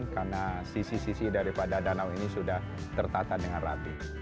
karena sisi sisi daripada danau ini sudah tertata dengan rapi